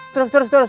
terus terus terus